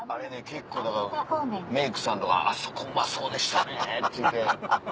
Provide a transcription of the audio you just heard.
結構だからメイクさんとか「あそこうまそうでしたね」って言うて。